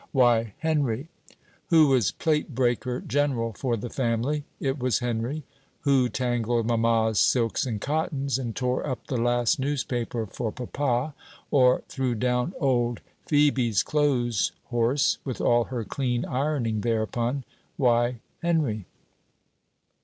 Why, Henry. Who was plate breaker general for the family? It was Henry. Who tangled mamma's silks and cottons, and tore up the last newspaper for papa, or threw down old Ph[oe]be's clothes horse, with all her clean ironing thereupon? Why, Henry.